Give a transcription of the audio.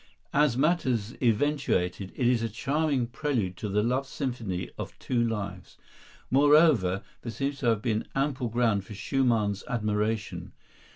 As matters eventuated, it is a charming prelude to the love symphony of two lives. Moreover, there seems to have been ample ground for Schumann's admiration.